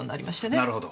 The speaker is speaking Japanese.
なるほど。